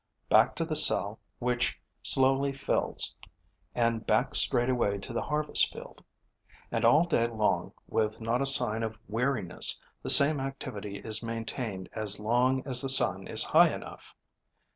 Back to the cell, which slowly fills; and back straightway to the harvest field. And all day long, with not a sign of weariness, the same activity is maintained as long as the sun is high enough.